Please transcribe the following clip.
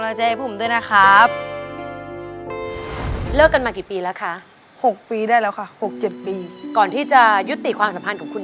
เราจะให้ให้เราวุ่นก่อน